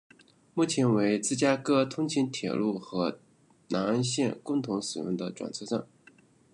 目前为芝加哥通勤铁路和南岸线共同使用的转车站。